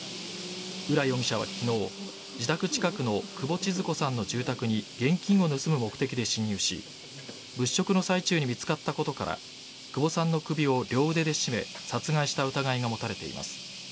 浦容疑者は昨日自宅近くの久保千鶴子さんの住宅に現金を盗む目的で侵入し物色の最中に見つかったことから久保さんの首を両腕で絞め殺害した疑いが持たれています。